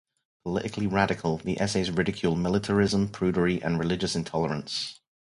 Politically radical, the essays ridicule militarism, prudery, and religious intolerance.